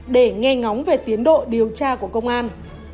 để nghe ngóng về tiến độ điều tra của công an